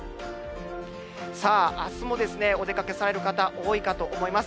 さあ、あすもお出かけされる方、多いかと思います。